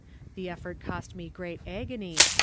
The effort caused me great agony.